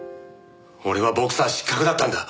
俺はボクサー失格だったんだ！